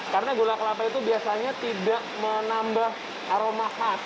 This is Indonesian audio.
karena gula kelapa itu biasanya tidak menambah aroma hat